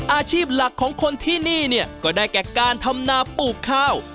อาชีพหลักของคนที่นี่เนี่ยก็ได้แก่การทำนาปลูกข้าว